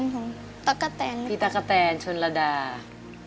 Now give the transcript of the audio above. ของตั๊กกะแตนพี่ตั๊กกะแตนชนระดา